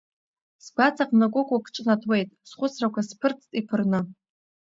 Сгәаҵаҟны кәыкәук ҿнаҭуеит, схәыцрақәа сԥырҵт иԥырны.